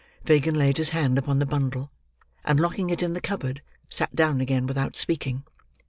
Fagin laid his hand upon the bundle, and locking it in the cupboard, sat down again without speaking.